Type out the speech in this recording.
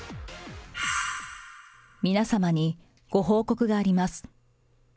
皆様にご報告があります。